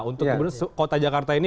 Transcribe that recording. untuk benar benar kota jakarta ini